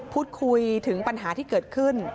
พูดคุยถึงปัญหาที่เกิดขึ้น